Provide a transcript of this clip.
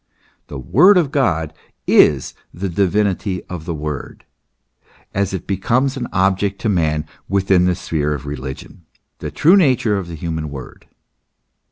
The Word of God is the divinity of the word, as it becomes an object to man within the sphere of religion, the true nature of the human word.